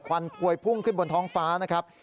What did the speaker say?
วันพวยพุ่งขึ้นบนท้องฟ้านะครับ